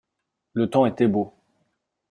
Le temps était beau.